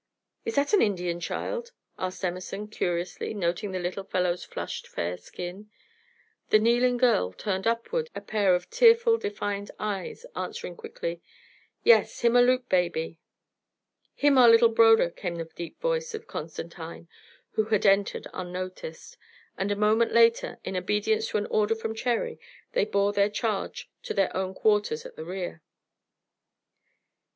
"Is that an Indian child?" asked Emerson, curiously, noting the little fellow's flushed fair skin. The kneeling girl turned upward a pair of tearful, defiant eyes, answering quickly: "Yes, him Aleut baby." "Him our little broder," came the deep voice of Constantine, who had entered unnoticed; and a moment later, in obedience to an order from Cherry, they bore their charge to their own quarters at the rear.